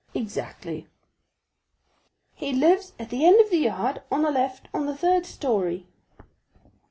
"Exactly." "He lives at the end of the yard, on the left, on the third story."